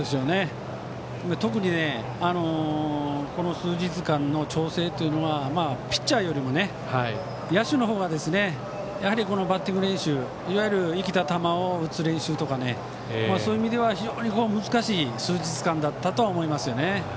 特に、この数日間の調整はピッチャーよりも野手の方がやはり、バッティング練習いわゆる生きた球を打つ練習とかそういう意味では非常に難しい数日間だったと思いますよね。